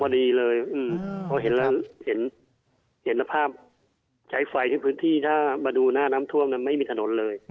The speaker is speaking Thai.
ฝ่ายที่พื้นที่ถ้าดูหน้าน้ำท่วมนั้นไม่มีถนนเลย